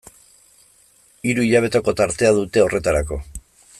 Hiru hilabeteko tartea dute horretarako.